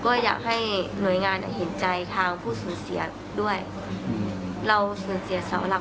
บ๊วยบ๊วยเราต้องไปร้องป่อมเหมือนกัน